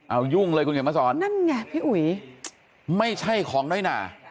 เอายุ่งเลยคุณผู้ชมภรรษอรณ์ไม่ใช่ของน้อยหนา